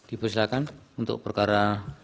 ibu silakan untuk perkara